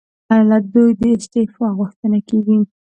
له دوی د استعفی غوښتنه کېږي.